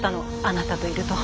あなたといると。